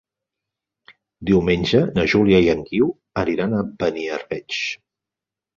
Diumenge na Júlia i en Guiu aniran a Beniarbeig.